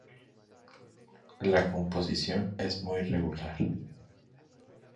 La composición es muy regular.